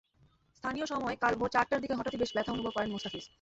স্থানীয় সময় কাল ভোর চারটার দিকে হঠাৎই বেশ ব্যথা অনুভব করেন মুস্তাফিজ।